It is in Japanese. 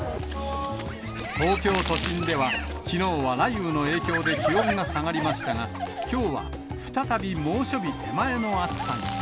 東京都心ではきのうは雷雨の影響で気温が下がりましたが、きょうは再び猛暑日手前の暑さに。